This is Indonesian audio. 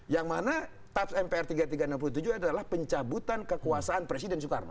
yang mana tap mpr tiga ribu tiga ratus enam puluh tujuh adalah pencabutan kekuasaan presiden soekarno